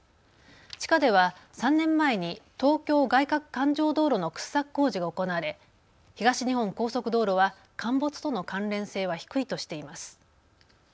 地下では３年前に東京外かく環状道路の掘削工事が行われ東日本高速道路は陥没との関連性は低いとしています。